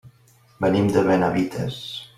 Venim de Benavites.